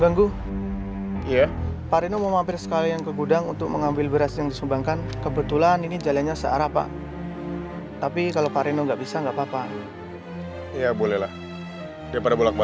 gak akan mama tenang sebelum mama membalas perbuatan mereka